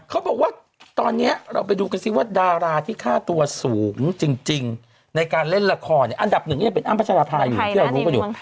เขาบอกว่าตอนนี้เราไปดูกันซิว่าดาราที่ค่าตัวสูงจริงในการเล่นละครอันดับหนึ่งก็ยังเป็นอ้ำพัชราภาอยู่ที่เรารู้กันอยู่